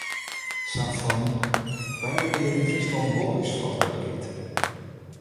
Sa fan: wy nimme hjir yn Fryslân wol ús ferantwurdlikheid.